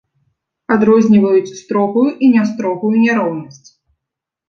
Адрозніваюць строгую і нястрогую няроўнасць.